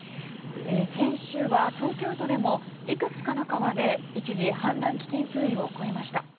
先週は東京都でもいくつかの川で一時、氾濫危険水位を超えました。